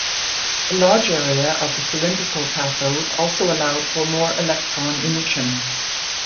The large area of the cylindrical cathode also allowed for more electron emission.